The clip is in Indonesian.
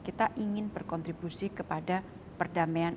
kita ingin berkontribusi kepada perdamaian